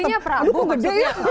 mc nya prabu maksudnya